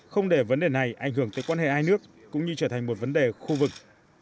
không để vấn đề này ảnh hưởng tới quan hệ hai nước cũng như trở thành một vấn đề khu vực